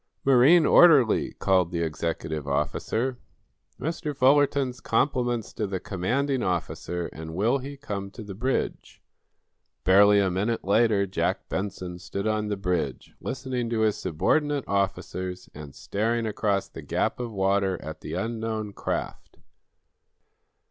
"Marine orderly!" called the executive officer. "Mr. Fullerton's compliments to the commanding officer, and will he come to the bridge?" Barely a minute later, Jack Benson stood on the bridge, listening to his subordinate officers and staring across the gap of water at the unknown craft.